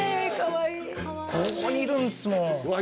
ここにいるんですもんわっ